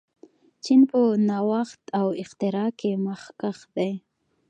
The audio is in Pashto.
چین په نوښت او اختراع کې مخکښ دی.